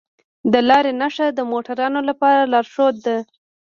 د لارې نښه د موټروانو لپاره لارښود ده.